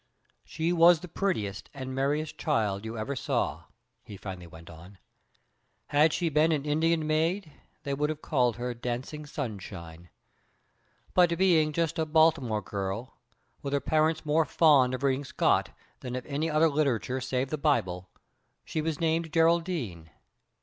"She was the prettiest and merriest child you ever saw," he finally went on. "Had she been an Indian maid they would have called her 'Dancing Sunshine.' But being just a Baltimore girl, with her parents more fond of reading Scott than of any other literature save the Bible, she was named Geraldine.